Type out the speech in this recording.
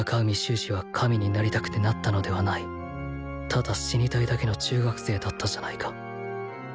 海修滋は神になりたくてなったのではないただ死にたいだけの中学生だったじゃないか